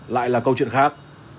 lại là câu chuyện khác